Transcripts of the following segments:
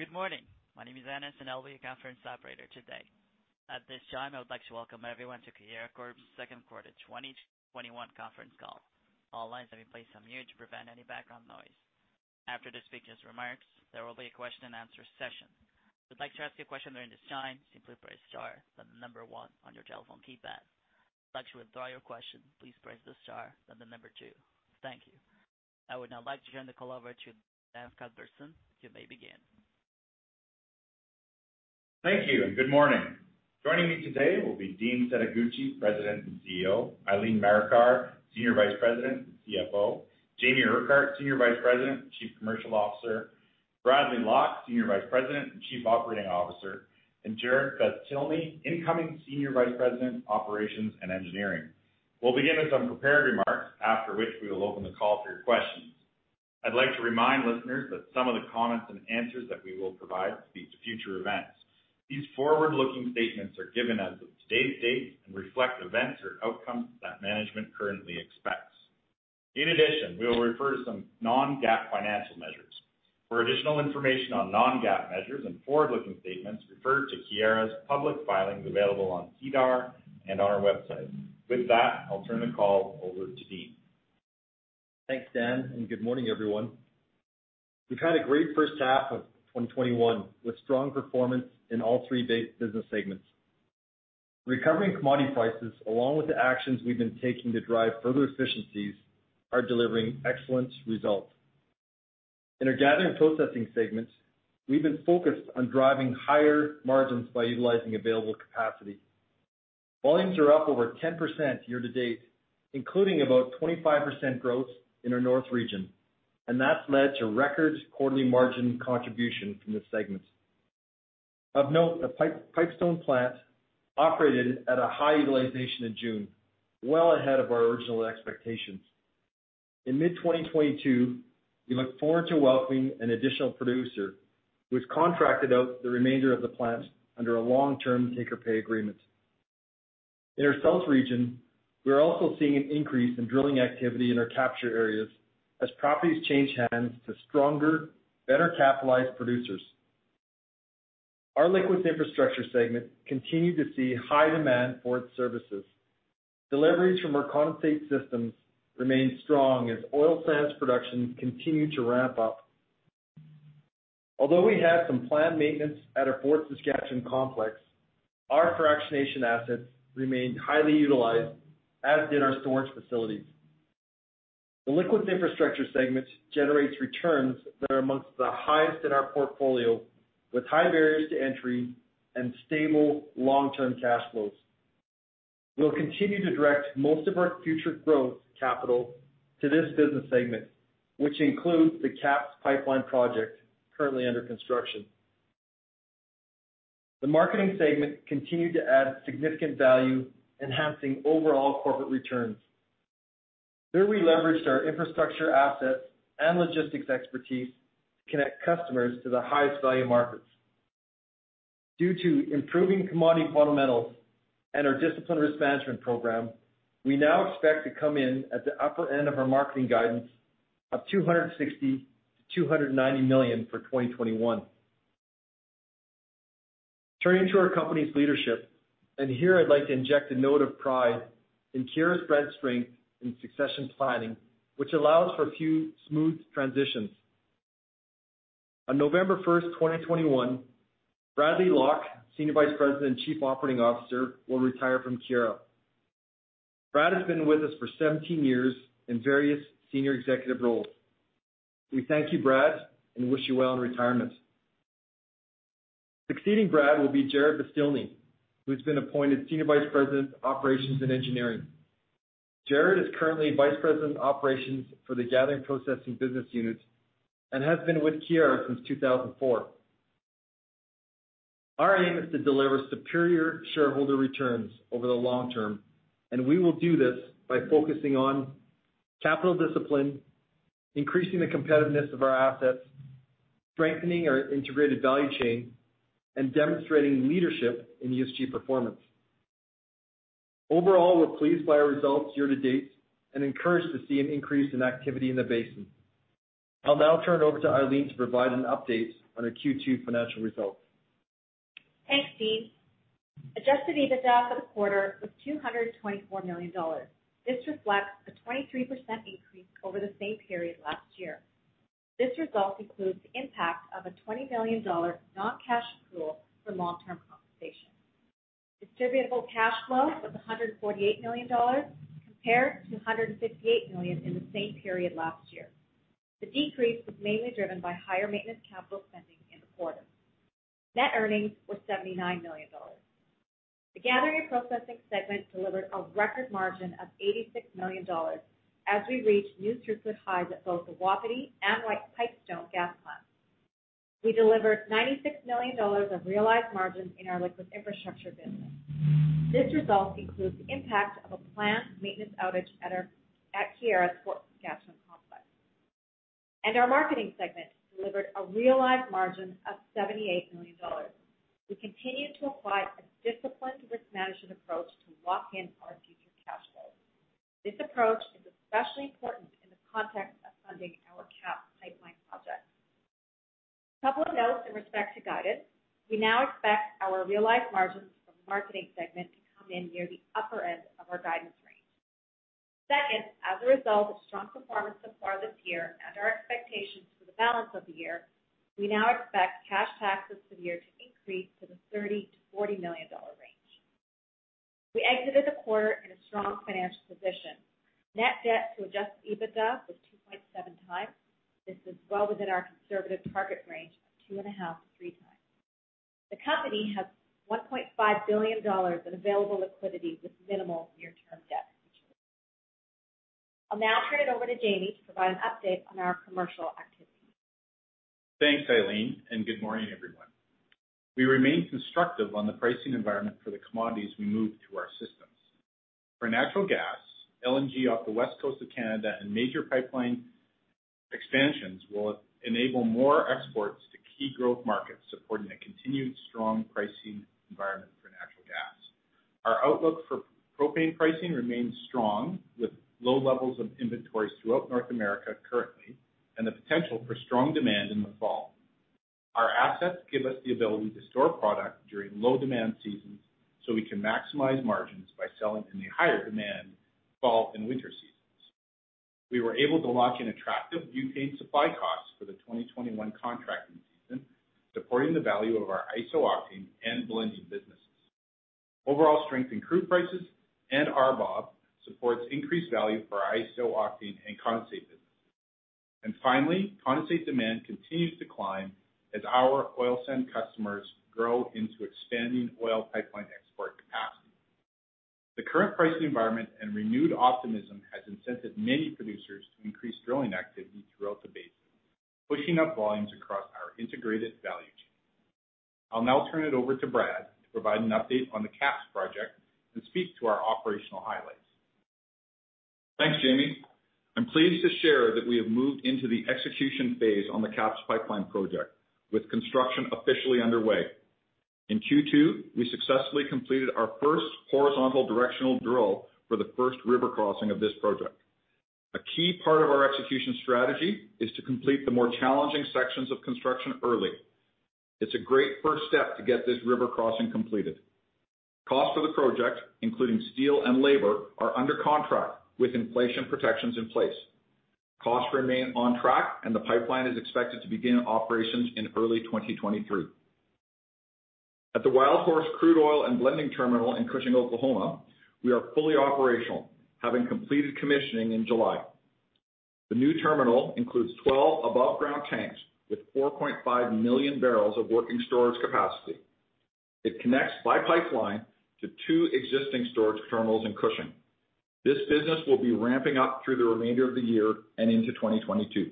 Good morning. My name is Anis, and I'll be your conference operator today. At this time, I would like to welcome everyone to Keyera Corp.'s second quarter 2021 conference call. All lines have been placed on mute to prevent any background noise. After the speakers' remarks, there will be a question and answer session. If you'd like to ask a question during this time, simply press star, then the number one on your telephone keypad. If you'd like to withdraw your question, please press the star, then the number two. Thank you. I would now like to turn the call over to Dan Cuthbertson. You may begin. Thank you, and good morning. Joining me today will be Dean Setoguchi, President and CEO, Eileen Marikar, Senior Vice President and CFO, Jamie Urquhart, Senior Vice President and Chief Commercial Officer, Bradley Lock, Senior Vice President and Chief Operating Officer, and Jarrod Beztilny, incoming Senior Vice President, Operations and Engineering. We'll begin with some prepared remarks, after which we will open the call for your questions. I'd like to remind listeners that some of the comments and answers that we will provide speak to future events. These forward-looking statements are given as of today's date and reflect events or outcomes that management currently expects. In addition, we will refer to some non-GAAP financial measures. For additional information on non-GAAP measures and forward-looking statements, refer to Keyera's public filings available on SEDAR and on our website. With that, I'll turn the call over to Dean. Thanks, Dan. Good morning, everyone. We've had a great first half of 2021, with strong performance in all three base business segments. Recovering commodity prices, along with the actions we've been taking to drive further efficiencies, are delivering excellent results. In our Gathering and Processing segments, we've been focused on driving higher margins by utilizing available capacity. Volumes are up over 10% year to date, including about 25% growth in our north region, and that's led to record quarterly margin contribution from the segments. Of note, the Pipestone plant operated at a high utilization in June, well ahead of our original expectations. In mid 2022, we look forward to welcoming an additional producer who has contracted out the remainder of the plant under a long-term take-or-pay agreement. In our south region, we are also seeing an increase in drilling activity in our capture areas as properties change hands to stronger, better capitalized producers. Our Liquids Infrastructure segment continued to see high demand for its services. Deliveries from our condensate systems remain strong as oil sands production continue to ramp up. Although we had some planned maintenance at our Fort Saskatchewan complex, our fractionation assets remained highly utilized, as did our storage facilities. The Liquids Infrastructure segment generates returns that are amongst the highest in our portfolio, with high barriers to entry and stable long-term cash flows. We'll continue to direct most of our future growth capital to this business segment, which includes the KAPS Pipeline project, currently under construction. The Marketing segment continued to add significant value, enhancing overall corporate returns. There, we leveraged our infrastructure assets and logistics expertise to connect customers to the highest value markets. Due to improving commodity fundamentals and our disciplined risk management program, we now expect to come in at the upper end of our marketing guidance of 260 million-290 million for 2021. Turning to our company's leadership, here I'd like to inject a note of pride in Keyera's breadth, strength and succession planning, which allows for a few smooth transitions. On November 1, 2021, Bradley Lock, Senior Vice President and Chief Operating Officer, will retire from Keyera. Brad has been with us for 17 years in various senior executive roles. We thank you, Brad, and wish you well in retirement. Succeeding Brad will be Jarrod Beztilny, who has been appointed Senior Vice President, Operations and Engineering. Jarrod is currently Vice President of Operations for the Gathering and Processing business unit and has been with Keyera since 2004. Our aim is to deliver superior shareholder returns over the long term, and we will do this by focusing on capital discipline, increasing the competitiveness of our assets, strengthening our integrated value chain, and demonstrating leadership in ESG performance. Overall, we're pleased by our results year to date and encouraged to see an increase in activity in the basin. I'll now turn it over to Eileen to provide an update on our Q2 financial results. Thanks, Dean. Adjusted EBITDA for the quarter was 224 million dollars. This reflects a 23% increase over the same period last year. This result includes the impact of a 20 million dollar non-cash accrual for long-term compensation. Distributable cash flow was 148 million dollars compared to 158 million in the same period last year. The decrease was mainly driven by higher maintenance capital spending in the quarter. Net earnings were 79 million dollars. The Gathering and Processing segment delivered a record margin of 86 million dollars as we reached new throughput highs at both the Wapiti and Pipestone gas plants. We delivered 96 million dollars of realized margins in our Liquids Infrastructure business. This result includes the impact of a planned maintenance outage at Keyera's Fort Saskatchewan complex. Our Marketing segment delivered a realized margin of 78 million dollars. We continued to apply a disciplined risk management approach to lock in our future. This approach is especially important in the context of funding our KAPS Pipeline project. A couple of notes in respect to guidance. We now expect our realized margins from the Marketing segment to come in near the upper end of our guidance range. Second, as a result of strong performance so far this year and our expectations for the balance of the year, we now expect cash taxes for the year to increase to the 30 million-40 million dollar range. We exited the quarter in a strong financial position. Net debt to adjusted EBITDA was 2.7x. This is well within our conservative target range of 2.5x-3x. The company has 1.5 billion dollars in available liquidity with minimal near-term debt. I'll now turn it over to Jamie to provide an update on our commercial activities. Thanks, Eileen. Good morning, everyone. We remain constructive on the pricing environment for the commodities we move through our systems. For natural gas, LNG off the west coast of Canada and major pipeline expansions will enable more exports to key growth markets, supporting a continued strong pricing environment for natural gas. Our outlook for propane pricing remains strong, with low levels of inventories throughout North America currently and the potential for strong demand in the fall. Our assets give us the ability to store product during low-demand seasons. We can maximize margins by selling in the higher demand fall and winter seasons. We were able to lock in attractive butane supply costs for the 2021 contracting season, supporting the value of our iso-octane and blending businesses. Overall strength in crude prices and RBOB supports increased value for our iso-octane and condensate businesses. Finally, condensate demand continues to climb as our oil sand customers grow into expanding oil pipeline export capacity. The current pricing environment and renewed optimism has incented many producers to increase drilling activity throughout the basin, pushing up volumes across our integrated value chain. I'll now turn it over to Brad to provide an update on the KAPS project and speak to our operational highlights. Thanks, Jamie. I'm pleased to share that we have moved into the execution phase on the KAPS Pipeline project, with construction officially underway. In Q2, we successfully completed our first horizontal directional drill for the first river crossing of this project. A key part of our execution strategy is to complete the more challenging sections of construction early. It's a great first step to get this river crossing completed. Costs for the project, including steel and labor, are under contract with inflation protections in place. Costs remain on track, and the pipeline is expected to begin operations in early 2023. At the Wildhorse crude oil and blending terminal in Cushing, Oklahoma, we are fully operational, having completed commissioning in July. The new terminal includes 12 above-ground tanks with 4.5 million barrels of working storage capacity. It connects by pipeline to two existing storage terminals in Cushing. This business will be ramping up through the remainder of the year and into 2022.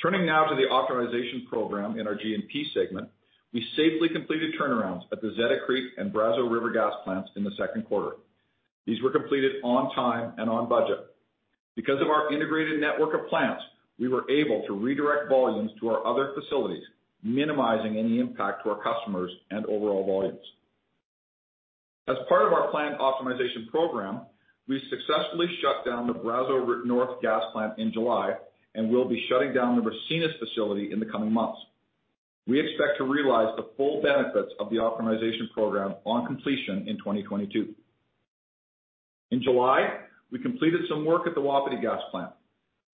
Turning now to the optimization program in our G&P segment. We safely completed turnarounds at the Zeta Creek and Brazeau River gas plants in the second quarter. These were completed on time and on budget. Because of our integrated network of plants, we were able to redirect volumes to our other facilities, minimizing any impact to our customers and overall volumes. As part of our planned optimization program, we successfully shut down the Brazeau North gas plant in July and will be shutting down the Ricinus facility in the coming months. We expect to realize the full benefits of the optimization program on completion in 2022. In July, we completed some work at the Wapiti gas plant.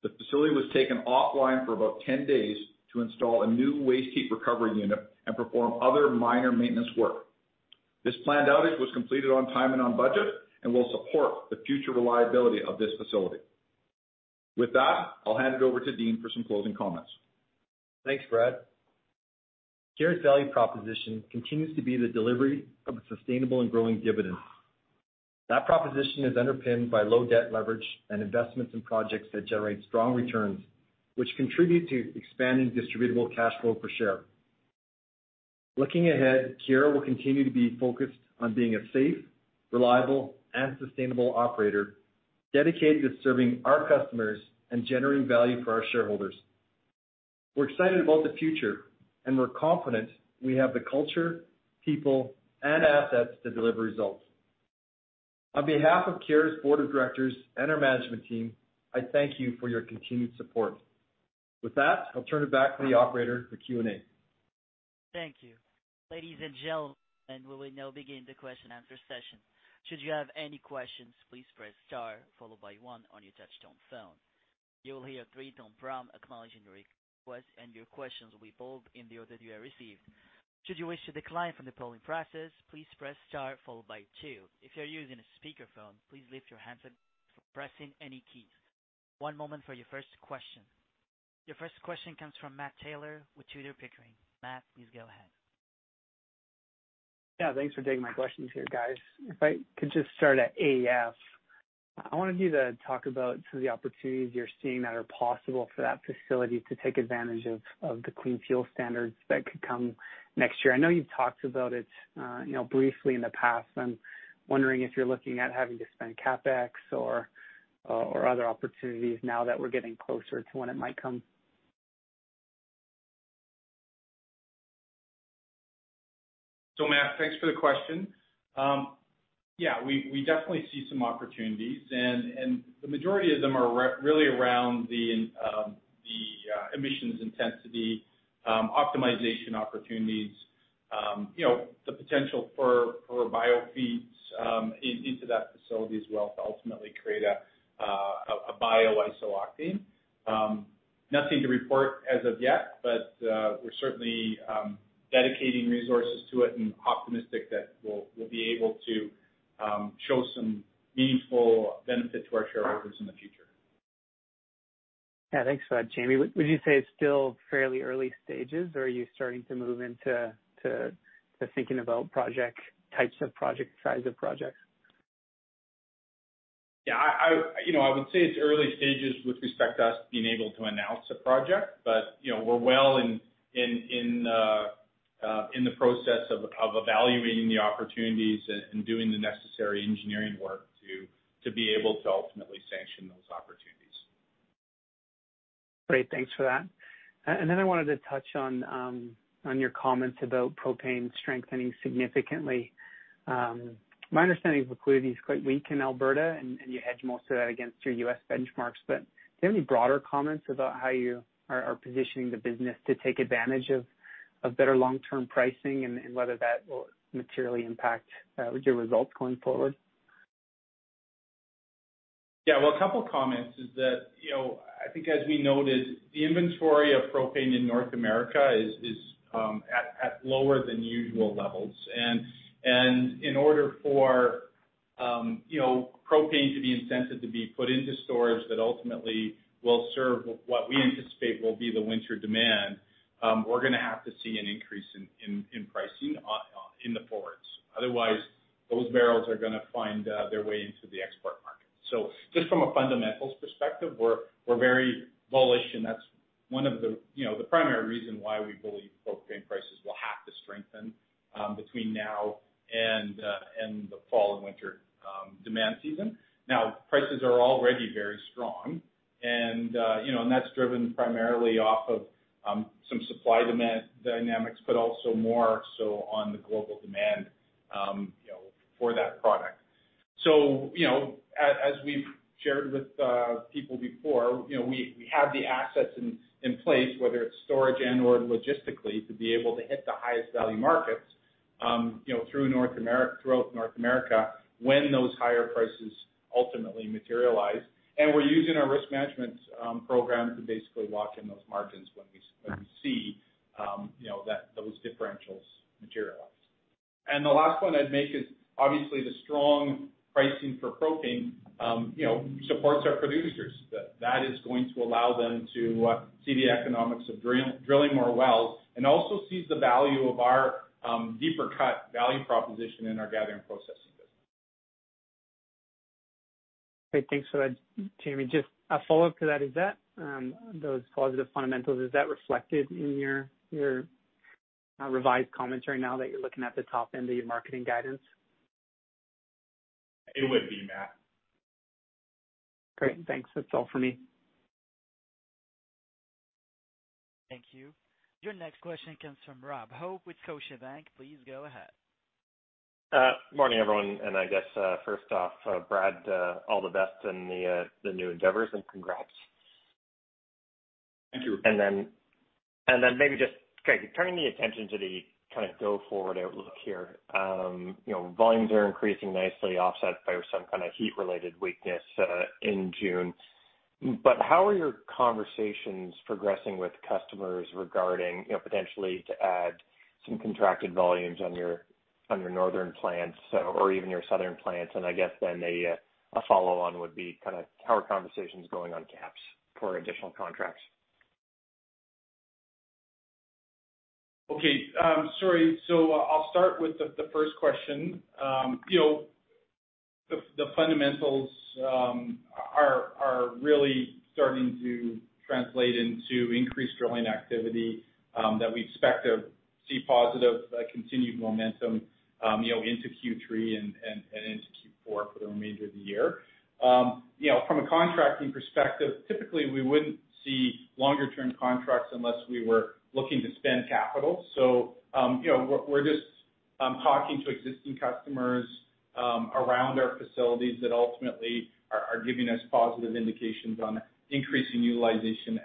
The facility was taken offline for about 10 days to install a new waste heat recovery unit and perform other minor maintenance work. This planned outage was completed on time and on budget and will support the future reliability of this facility. With that, I'll hand it over to Dean for some closing comments. Thanks, Brad. Keyera's value proposition continues to be the delivery of a sustainable and growing dividend. That proposition is underpinned by low debt leverage and investments in projects that generate strong returns, which contribute to expanding distributable cash flow per share. Looking ahead, Keyera will continue to be focused on being a safe, reliable, and sustainable operator dedicated to serving our customers and generating value for our shareholders. We're excited about the future, and we're confident we have the culture, people, and assets to deliver results. On behalf of Keyera's board of directors and our management team, I thank you for your continued support. With that, I'll turn it back to the operator for Q&A. Thank you. Ladies and gentlemen, we will now begin the question and answer session. Should you have any questions, please press star followed by one on your touchtone phone. You'll hear three tone prompt acknowledging your request and your questions will be pulled in as received. Should you wish to decline from the polling process, please press star followed by two. If you're using a speaker phone, please your handset pressing any keys. One moment for your first question. Your first question comes from Matt Taylor with Tudor, Pickering. Matt, please go ahead. Yeah, thanks for taking my questions here, guys. If I could just start at AEF, I wanted you to talk about some of the opportunities you're seeing that are possible for that facility to take advantage of the Clean Fuel standards that could come next year. I know you've talked about it briefly in the past. I'm wondering if you're looking at having to spend CapEx or other opportunities now that we're getting closer to when it might come. Matt, thanks for the question. We definitely see some opportunities, the majority of them are really around the emissions intensity optimization opportunities. The potential for biofeeds into that facility as well to ultimately create a bio-isooctane. Nothing to report as of yet, we're certainly dedicating resources to it and optimistic that we'll be able to show some meaningful benefit to our shareholders in the future. Yeah. Thanks for that, Jamie. Would you say it's still fairly early stages, or are you starting to move into the thinking about types of project, size of project? Yeah. I would say it's early stages with respect to us being able to announce a project. We're well in the process of evaluating the opportunities and doing the necessary engineering work to be able to ultimately sanction those opportunities. Great, thanks for that. I wanted to touch on your comments about propane strengthening significantly. My understanding is liquidity is quite weak in Alberta, and you hedge most of that against your U.S. benchmarks. Do you have any broader comments about how you are positioning the business to take advantage of better long-term pricing and whether that will materially impact your results going forward? Yeah. Well, a couple of comments is that, I think as we noted, the inventory of propane in North America is at lower than usual levels. In order for propane to be incentive to be put into storage that ultimately will serve what we anticipate will be the winter demand, we're going to have to see an increase in pricing in the forwards. Otherwise, those barrels are going to find their way into the export market. Just from a fundamentals perspective, we're very bullish and that's one of the primary reason why we believe propane prices will have to strengthen between now and the fall and winter demand season. Now, prices are already very strong and that's driven primarily off of some supply demand dynamics, but also more so on the global demand for that product. As we've shared with people before, we have the assets in place, whether it's storage and/or logistically, to be able to hit the highest value markets throughout North America when those higher prices ultimately materialize. We're using our risk management program to basically lock in those margins when we see those differentials materialize. The last point I'd make is obviously the strong pricing for propane supports our producers. That is going to allow them to see the economics of drilling more wells, and also sees the value of our deeper cut value proposition in our Gathering and Processing business. Great. Thanks for that, Jamie. Just a follow-up to that. Those positive fundamentals, is that reflected in your revised commentary now that you're looking at the top end of your Marketing guidance? It would be, Matt. Great. Thanks. That is all for me. Thank you. Your next question comes from Rob Hope with Scotiabank. Please go ahead. Morning, everyone. I guess, first off, Brad, all the best in the new endeavors and congrats. Thank you. Maybe just, great, turning the attention to the go forward outlook here. Volumes are increasing nicely, offset by some kind of heat-related weakness in June. How are your conversations progressing with customers regarding potentially to add some contracted volumes on your northern plants or even your southern plants? I guess then a follow-on would be how are conversations going on KAPS for additional contracts? Okay. Sorry. I'll start with the first question. The fundamentals are really starting to translate into increased drilling activity, that we expect to see positive continued momentum into Q3 and into Q4 for the remainder of the year. From a contracting perspective, typically, we wouldn't see longer-term contracts unless we were looking to spend capital. We're just talking to existing customers around our facilities that ultimately are giving us positive indications on increasing utilization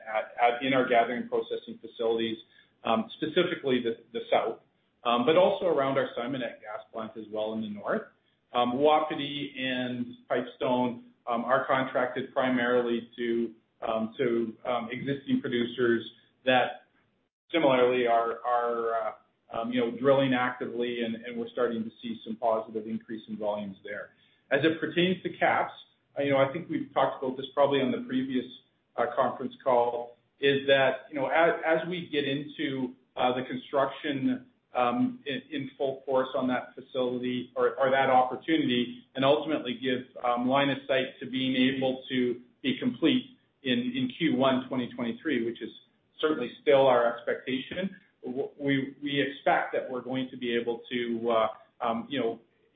in our gathering processing facilities, specifically the south. Also around our Simonette gas plant as well in the north. Wapiti and Pipestone are contracted primarily to existing producers that similarly are drilling actively, and we're starting to see some positive increase in volumes there. As it pertains to KAPS, I think we've talked about this probably on the previous conference call, is that, as we get into the construction in full force on that facility or that opportunity, and ultimately gives line of sight to being able to be complete in Q1 2023, which is certainly still our expectation. We expect that we're going to be able to-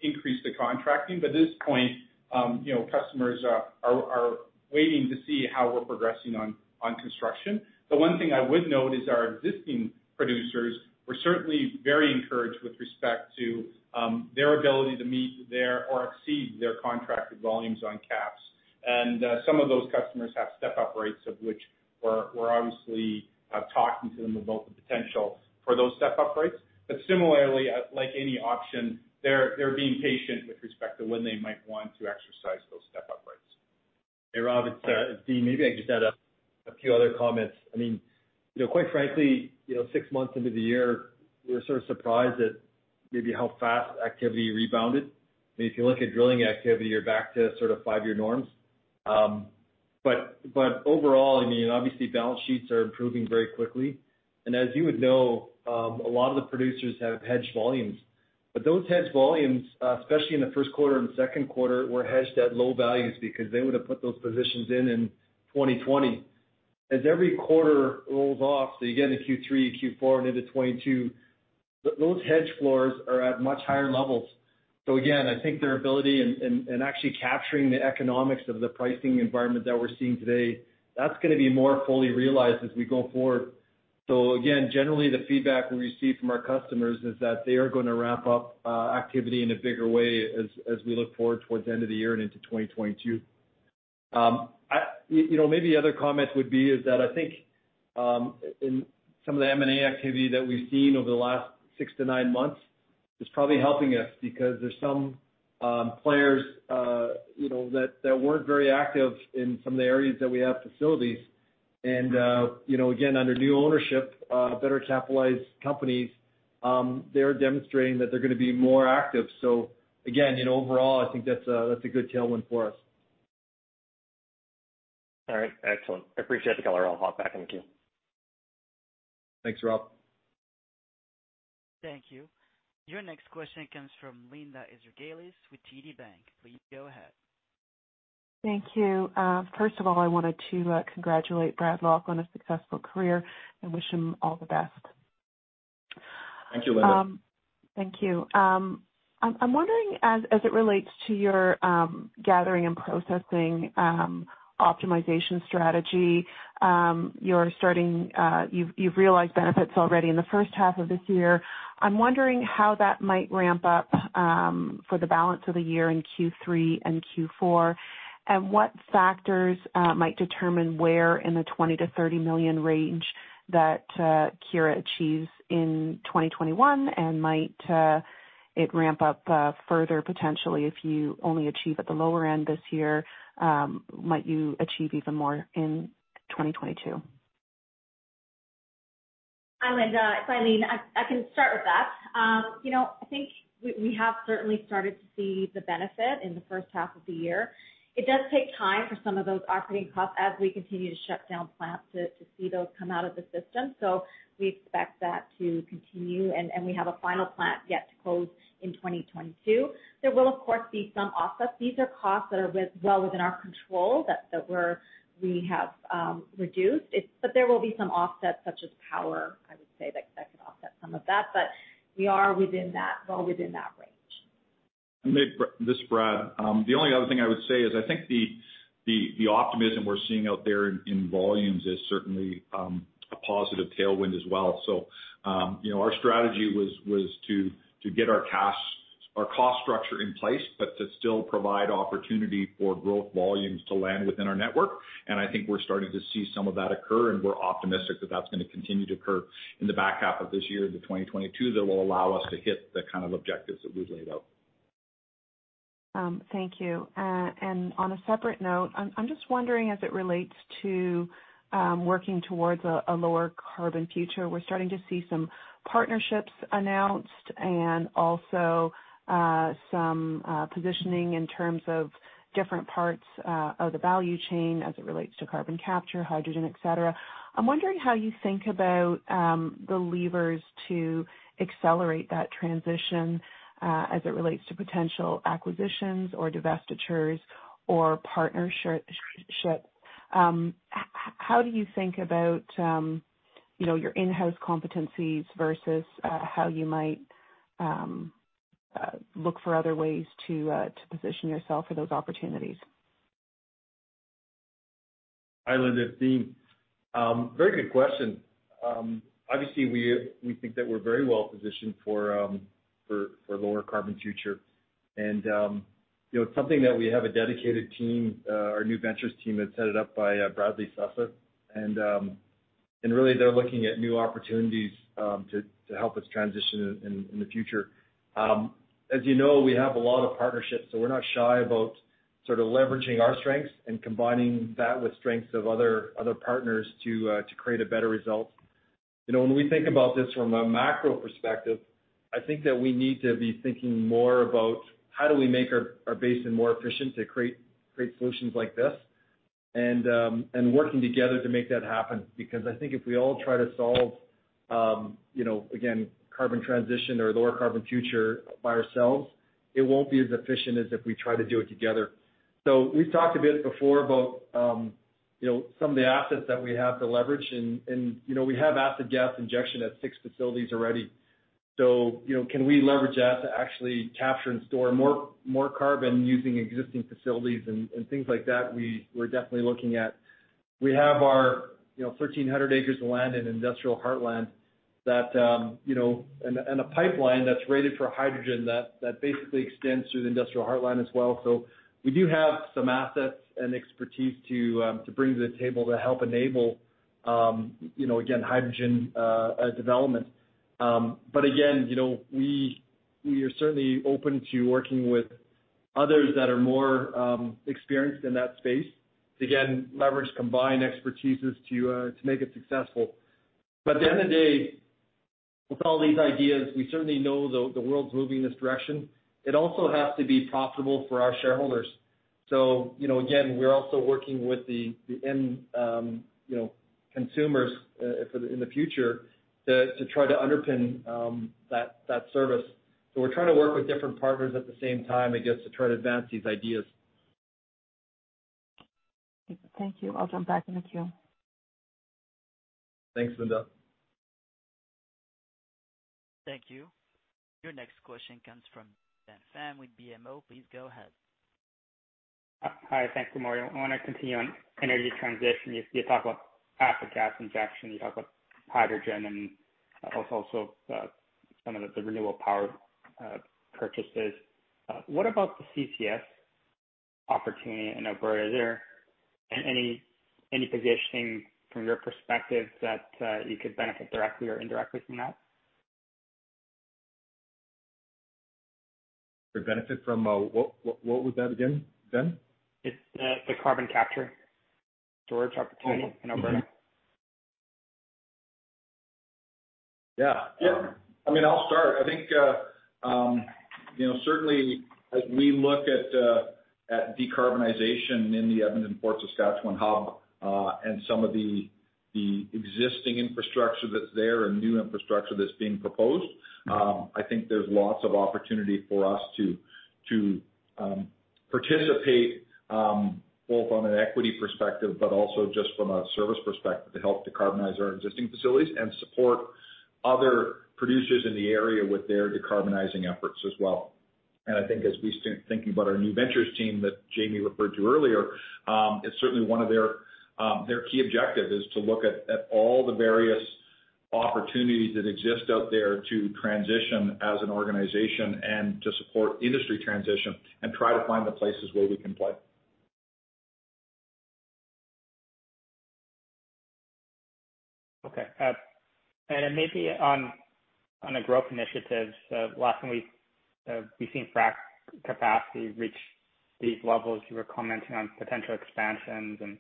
Increase the contracting. At this point, customers are waiting to see how we're progressing on construction. The one thing I would note is our existing producers were certainly very encouraged with respect to their ability to meet or exceed their contracted volumes on KAPS. Some of those customers have step-up rates, of which we're obviously talking to them about the potential for those step-up rates. Similarly, like any option, they're being patient with respect to when they might want to exercise those step-up rates. Hey, Rob, it's Dean. Maybe I can just add a few other comments. Quite frankly, six months into the year, we were sort of surprised at maybe how fast activity rebounded. If you look at drilling activity, you're back to sort of five-year norms. Overall, obviously, balance sheets are improving very quickly. As you would know, a lot of the producers have hedged volumes. Those hedged volumes, especially in the first quarter and second quarter, were hedged at low values because they would have put those positions in in 2020. As every quarter rolls off, so you get into Q3 and Q4 and into 2022, those hedge floors are at much higher levels. Again, I think their ability in actually capturing the economics of the pricing environment that we're seeing today, that's going to be more fully realized as we go forward. Again, generally, the feedback we receive from our customers is that they are going to ramp up activity in a bigger way as we look forward towards the end of the year and into 2022. Maybe other comments would be is that I think in some of the M&A activity that we've seen over the last six to nine months is probably helping us because there's some players that weren't very active in some of the areas that we have facilities. Again, under new ownership, better capitalized companies, they're demonstrating that they're going to be more active. Again, overall, I think that's a good tailwind for us. All right. Excellent. I appreciate the color. I'll hop back in the queue. Thanks, Rob. Thank you. Your next question comes from Linda Ezergailis with TD Securities. Please go ahead. Thank you. First of all, I wanted to congratulate Brad Lock on a successful career and wish him all the best. Thank you, Linda. Thank you. I'm wondering, as it relates to your Gathering and Processing optimization strategy, you've realized benefits already in the first half of this year. I'm wondering how that might ramp up for the balance of the year in Q3 and Q4, and what factors might determine where in the 20 million-30 million range that Keyera achieves in 2021 and might it ramp up further potentially if you only achieve at the lower end this year, might you achieve even more in 2022? Hi, Linda. It's Eileen. I can start with that. I think we have certainly started to see the benefit in the first half of the year. It does take time for some of those operating costs as we continue to shut down plants to see those come out of the system. We expect that to continue, and we have a final plant yet to close in 2022. There will, of course, be some offsets. These are costs that are well within our control, that we have reduced. There will be some offsets such as power, I would say, that could offset some of that, but we are well within that range. This is Brad. The only other thing I would say is I think the optimism we're seeing out there in volumes is certainly a positive tailwind as well. Our strategy was to get our cost structure in place, but to still provide opportunity for growth volumes to land within our network. I think we're starting to see some of that occur, and we're optimistic that that's going to continue to occur in the back half of this year into 2022 that will allow us to hit the kind of objectives that we've laid out. Thank you. On a separate note, I'm just wondering as it relates to working towards a lower carbon future. We're starting to see some partnerships announced and also some positioning in terms of different parts of the value chain as it relates to carbon capture, hydrogen, et cetera. I'm wondering how you think about the levers to accelerate that transition as it relates to potential acquisitions or divestitures or partnerships. How do you think about your in-house competencies versus how you might look for other ways to position yourself for those opportunities? Hi, Linda. It's Dean. Very good question. Obviously, we think that we're very well-positioned for a lower carbon future. It's something that we have a dedicated team, our new ventures team that's headed up by Bradley Slessor. Really, they're looking at new opportunities to help us transition in the future. As you know, we have a lot of partnerships, so we're not shy about leveraging our strengths and combining that with strengths of other partners to create a better result. When we think about this from a macro perspective, I think that we need to be thinking more about how do we make our basin more efficient to create great solutions like this and working together to make that happen. Because I think if we all try to solve, again, carbon transition or lower carbon future by ourselves, it won't be as efficient as if we try to do it together. We've talked a bit before about some of the assets that we have to leverage. We have acid gas injection at six facilities already. Can we leverage that to actually capture and store more carbon using existing facilities and things like that? We're definitely looking at. We have our 1,300 acres of land in Industrial Heartland and a pipeline that's rated for hydrogen that basically extends through the Industrial Heartland as well. We do have some assets and expertise to bring to the table to help enable, again, hydrogen development. Again, we are certainly open to working with others that are more experienced in that space to, again, leverage combined expertises to make it successful. At the end of the day, with all these ideas, we certainly know the world's moving in this direction. It also has to be profitable for our shareholders. Again, we're also working with the end consumers in the future to try to underpin that service. We're trying to work with different partners at the same time, I guess, to try to advance these ideas. Thank you. I'll turn back in the queue. Thanks, Linda. Thank you. Your next question comes from Ben Pham with BMO. Please go ahead. Hi. Thank you, [Mario]. I want to continue on energy transition. You talk about acid gas injection, you talk about hydrogen, and also some of the renewable power purchases. What about the CCS opportunity in Alberta? Is there any positioning from your perspective that you could benefit directly or indirectly from that? Could benefit from, what was that again, Ben? It's the carbon capture storage opportunity in Alberta. Yeah. I'll start. I think, certainly, as we look at decarbonization in the Edmonton Fort Saskatchewan hub and some of the existing infrastructure that's there and new infrastructure that's being proposed, I think there's lots of opportunity for us to participate, both on an equity perspective, but also just from a service perspective, to help decarbonize our existing facilities and support other producers in the area with their decarbonizing efforts as well. I think as we start thinking about our new ventures team that Jamie referred to earlier, it's certainly one of their key objective is to look at all the various opportunities that exist out there to transition as an organization and to support industry transition and try to find the places where we can play. Okay. Maybe on the growth initiatives, last time we've seen frac capacity reach these levels, you were commenting on potential expansions and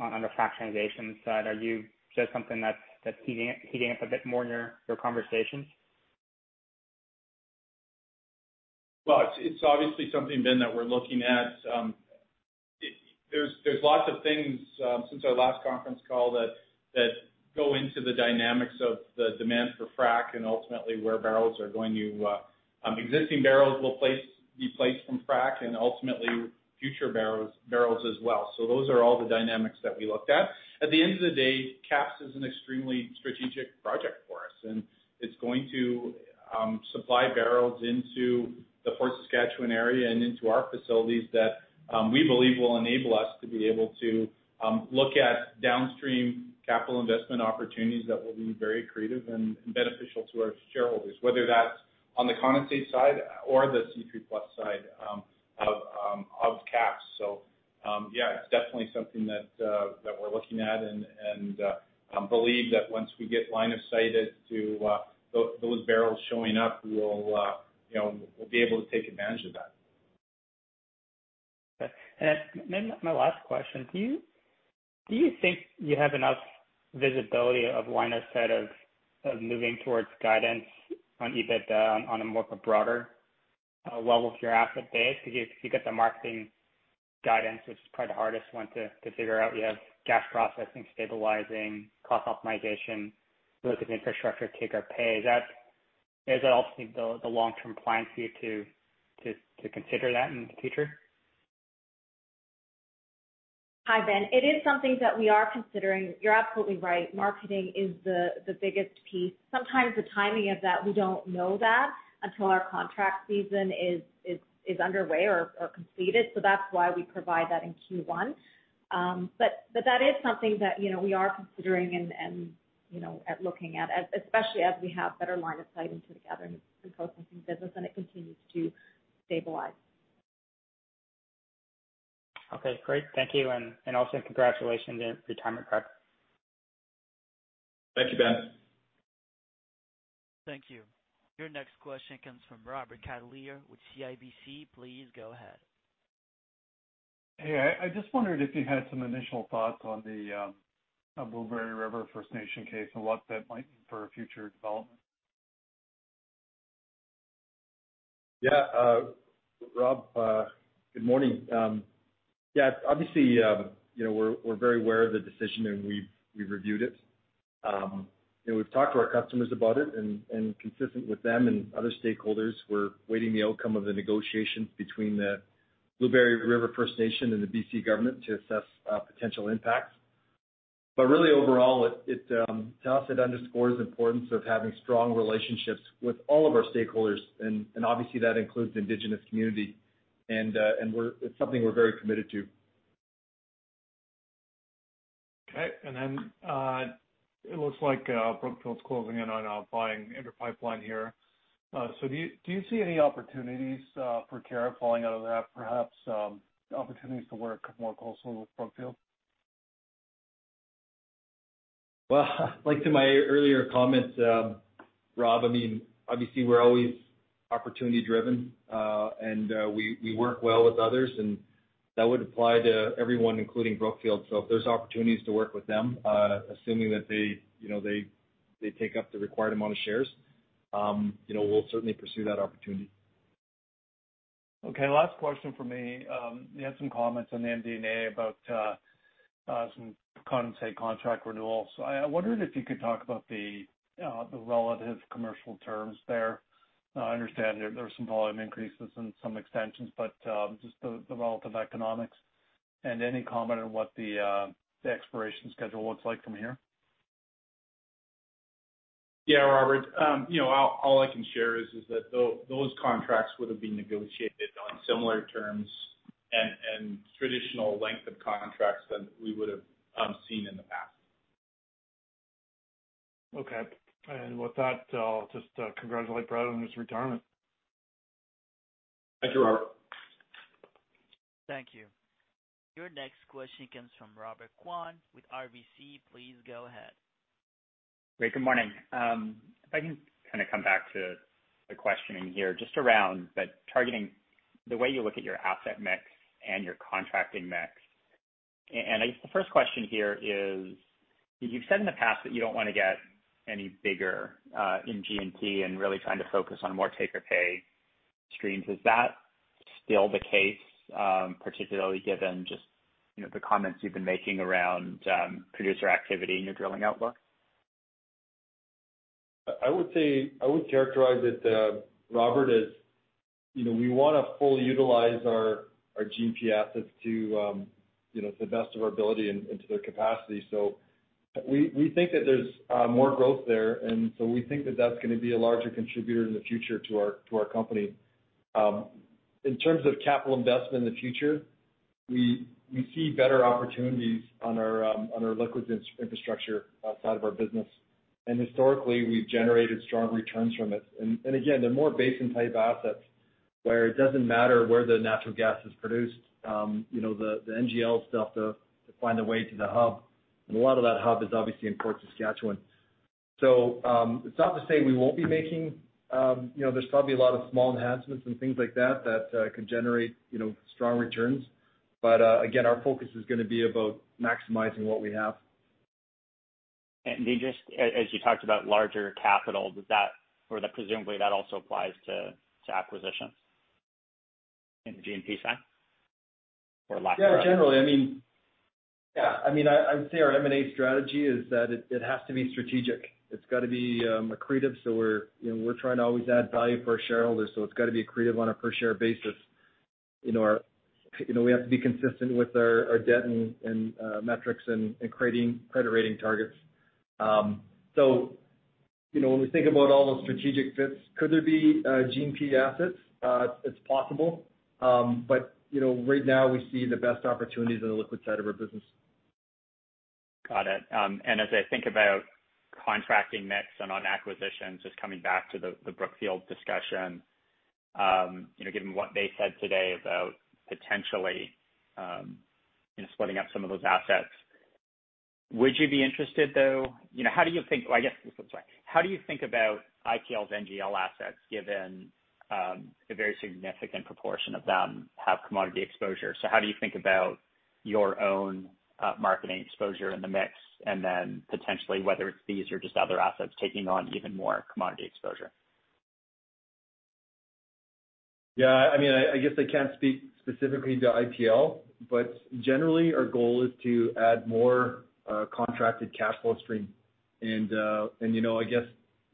on the fractionation side. Is that something that's heating up a bit more in your conversations? It's obviously something, Ben, that we're looking at. There's lots of things since our last conference call that go into the dynamics of the demand for frac and ultimately where existing barrels will be placed from frac and ultimately future barrels as well. Those are all the dynamics that we looked at. At the end of the day, KAPS is an extremely strategic project for us, and it's going to supply barrels into the Fort Saskatchewan area and into our facilities that we believe will enable us to be able to look at downstream capital investment opportunities that will be very creative and beneficial to our shareholders, whether that's on the condensate side or the C3+ side of KAPS. Yeah, it's definitely something that we're looking at and believe that once we get line of sight as to those barrels showing up, we'll be able to take advantage of that. Okay. My last question, do you think you have enough visibility of line of sight of moving towards guidance on EBITDA on a more of a broader level with your asset base? You get the marketing guidance, which is probably the hardest one to figure out. You have gas processing, stabilizing, cost optimization, related infrastructure take-or-pay. Is that ultimately the long-term plan for you to consider that in the future? Hi, Ben. It is something that we are considering. You're absolutely right, Marketing is the biggest piece. Sometimes the timing of that, we don't know that until our contract season is underway or completed. That's why we provide that in Q1. That is something that we are considering and looking at, especially as we have better line of sight into the Gathering and Processing business, and it continues to stabilize. Okay, great. Thank you. Also congratulations in retirement, Brad. Thank you, Ben. Thank you. Your next question comes from Robert Catellier with CIBC. Please go ahead. Hey. I just wondered if you had some initial thoughts on the Blueberry River First Nations case and what that might mean for future development. Yeah. Rob, good morning. Obviously, we're very aware of the decision, and we've reviewed it. We've talked to our customers about it, and consistent with them and other stakeholders, we're waiting the outcome of the negotiations between the Blueberry River First Nations and the B.C. government to assess potential impacts. Really overall, to us, it underscores the importance of having strong relationships with all of our stakeholders, and obviously that includes the indigenous community. It's something we're very committed to. It looks like Brookfield's closing in on buying Inter Pipeline here. Do you see any opportunities for Keyera falling out of that, perhaps opportunities to work more closely with Brookfield? Well, like to my earlier comments, Rob, obviously we're always opportunity driven. We work well with others and that would apply to everyone including Brookfield. If there's opportunities to work with them, assuming that they take up the required amount of shares, we'll certainly pursue that opportunity. Okay, last question from me. You had some comments on the MD&A about some condensate contract renewals. I wondered if you could talk about the relative commercial terms there. I understand there's some volume increases and some extensions, just the relative economics. Any comment on what the expiration schedule looks like from here? Yeah, Robert. All I can share is that those contracts would've been negotiated on similar terms and traditional length of contracts than we would've seen in the past. Okay. With that, I'll just congratulate Brad on his retirement. Thank you, Robert. Thank you. Your next question comes from Robert Kwan with RBC. Please go ahead. Great, good morning. If I can come back to the questioning here, just around the targeting, the way you look at your asset mix and your contracting mix. I guess the first question here is, you've said in the past that you don't want to get any bigger in G&P and really trying to focus on more take-or-pay streams. Is that still the case, particularly given just the comments you've been making around producer activity in your drilling outlook? I would characterize it, Robert, as we want to fully utilize our G&P assets to the best of our ability and to their capacity. We think that there's more growth there, and so we think that that's going to be a larger contributor in the future to our company. In terms of capital investment in the future, we see better opportunities on our Liquids Infrastructure side of our business, and historically, we've generated strong returns from it. Again, they're more basin-type assets where it doesn't matter where the natural gas is produced. The NGL stuff to find a way to the hub, and a lot of that hub is obviously in Fort Saskatchewan. It's not to say there's probably a lot of small enhancements and things like that that could generate strong returns. Again, our focus is going to be about maximizing what we have. Just as you talked about larger capital, presumably that also applies to acquisitions in the G&P side or lack thereof? Generally. I would say our M&A strategy is that it has to be strategic. It's got to be accretive, so we're trying to always add value for our shareholders, so it's got to be accretive on a per share basis. We have to be consistent with our debt and metrics and credit rating targets. When we think about all those strategic fits, could there be G&P assets? It's possible. Right now, we see the best opportunities on the liquid side of our business. Got it. As I think about contracting mix and on acquisitions, just coming back to the Brookfield discussion. Given what they said today about potentially splitting up some of those assets, would you be interested? How do you think about IPL's NGL assets given a very significant proportion of them have commodity exposure? How do you think about your own marketing exposure in the mix, and then potentially whether it's these or just other assets taking on even more commodity exposure? Yeah, I guess I can't speak specifically to IPL, but generally, our goal is to add more contracted cash flow stream. I guess,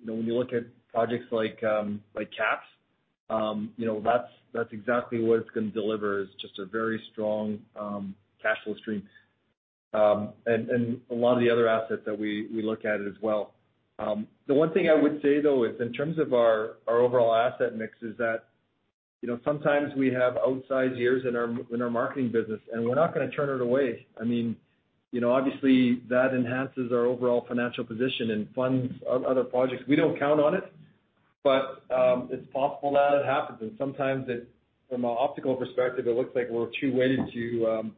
when you look at projects like KAPS, that's exactly what it's going to deliver is just a very strong cash flow stream and a lot of the other assets that we look at as well. The one thing I would say, though, is in terms of our overall asset mix is that sometimes we have outsized years in our Marketing business. We're not going to turn it away. Obviously, that enhances our overall financial position and funds our other projects. We don't count on it, but it's possible that it happens. Sometimes from an optical perspective, it looks like we're too weighted to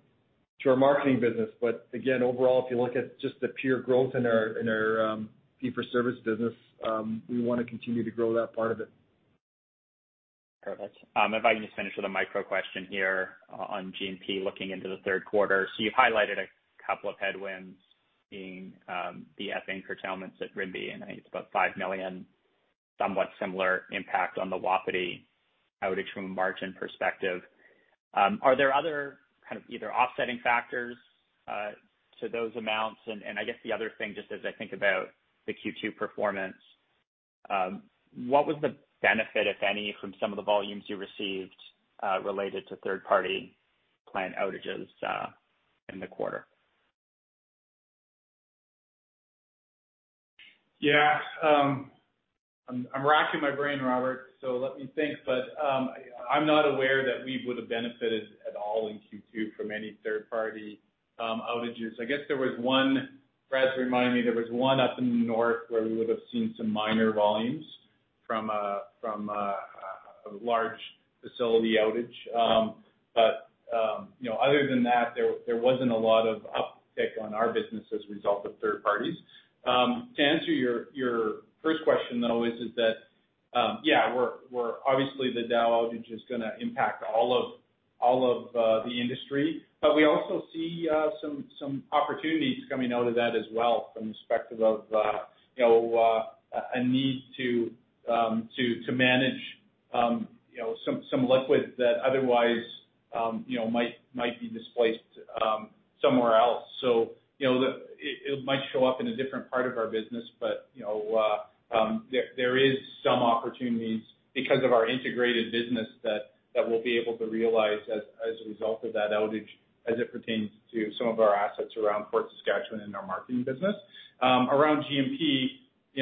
our Marketing business. Again, overall, if you look at just the pure growth in our fee-for-service business, we want to continue to grow that part of it. Perfect. If I can just finish with a micro question here on G&P looking into the third quarter. You highlighted a couple of headwinds, being the ethane curtailments at Rimbey, and I think it's about 5 million somewhat similar impact on the Wapiti outage from a margin perspective. Are there other either offsetting factors to those amounts? I guess the other thing, just as I think about the Q2 performance, what was the benefit, if any, from some of the volumes you received, related to third-party plant outages in the quarter? Yeah. I'm racking my brain, Robert, let me think. I'm not aware that we would've benefited at all in Q2 from any third-party outages. I guess there was one. Brad's reminding me there was one up in the north where we would've seen some minor volumes from a large facility outage. Other than that, there wasn't a lot of uptick on our business as a result of third parties. To answer your first question, though, is that, yeah, obviously the Dow outage is going to impact all of the industry. We also see some opportunities coming out of that as well from the perspective of a need to manage some liquid that otherwise might be displaced somewhere else. It might show up in a different part of our business, but there is some opportunities because of our integrated business that we'll be able to realize as a result of that outage as it pertains to some of our assets around Fort Saskatchewan and our marketing business. Around G&P,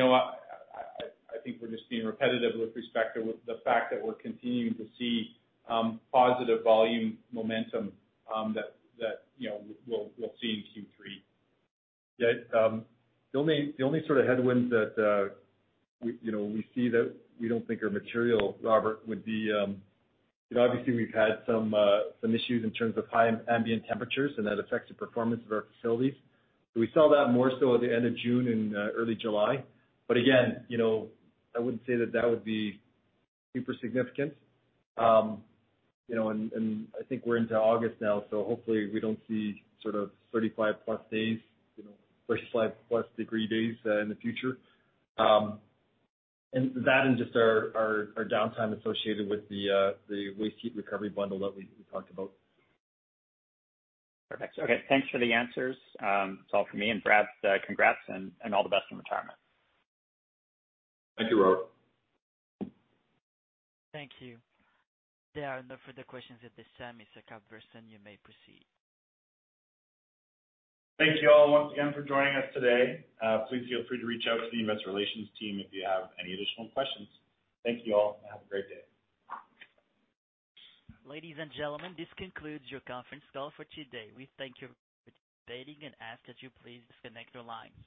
I think we're just being repetitive with respect to the fact that we're continuing to see positive volume momentum that we'll see in Q3. The only sort of headwinds that we see that we don't think are material, Robert, would be, obviously we've had some issues in terms of high ambient temperatures, and that affects the performance of our facilities. We saw that more so at the end of June and early July. I wouldn't say that that would be super significant. I think we're into August now, hopefully we don't see sort of 35+ degree days in the future, and that and just our downtime associated with the waste heat recovery bundle that we talked about. Perfect. Okay. Thanks for the answers. That's all from me. Brad, congrats and all the best in retirement. Thank you, Robert. Thank you. There are no further questions at this time. Mr. Cuthbertson, you may proceed. Thank you all once again for joining us today. Please feel free to reach out to the investor relations team if you have any additional questions. Thank you all, and have a great day. Ladies and gentlemen, this concludes your conference call for today. We thank you for participating and ask that you please disconnect your lines.